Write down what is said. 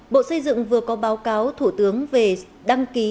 bộ xây dựng vừa có báo cáo thủ tướng về đăng ký